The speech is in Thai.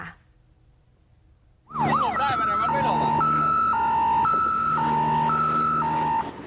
ไม่หลบได้มันไม่หลบ